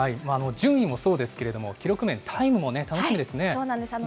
順位もそうですけれども、記録面、タイムも楽しみですね。